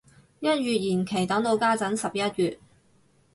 一月延期等到家陣十一月